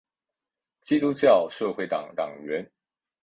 基督教社会党党员。